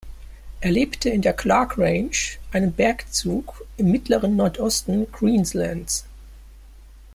Er lebte in der Clarke Range, einem Bergzug im mittleren Nordosten Queenslands.